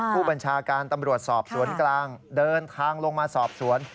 ผู้บัญชาการตำรวจสอบสวนกลางเดินทางลงมาสอบสวน